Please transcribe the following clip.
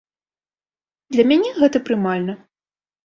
Для мяне гэта прымальна.